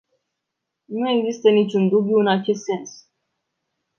Nu există niciun dubiu în acest sens.